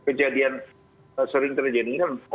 kejadian sering terjadi kan